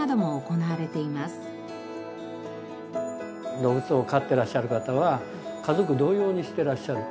動物を飼ってらっしゃる方は家族同様にしてらっしゃる。